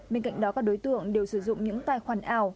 bên cạnh đó các đối tượng đều sử dụng những tài khoản ảo